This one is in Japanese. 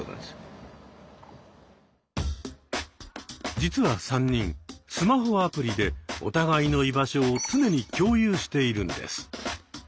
実は３人スマホアプリでお互いの居場所を常に共有しているんです。